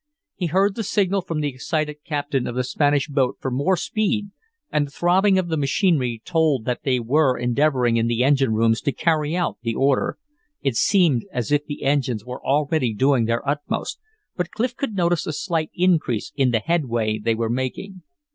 He heard the signal from the excited captain of the Spanish boat for more speed, and the throbbing of the machinery told that they were endeavoring in the engine rooms to carry out the order. It seemed as if the engines were already doing their utmost, but Clif could notice a slight increase in the headway they were making.